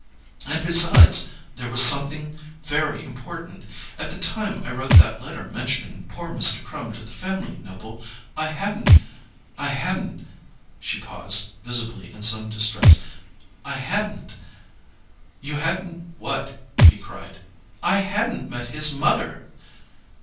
And besides, there was something very important. At the time I wrote that letter mentioning poor Mr. Crum to the family, Noble, I hadn't I hadn't " She paused, visibly in some distress. "I hadn't " "You hadn't what?" he cried. "I hadn't met his mother!"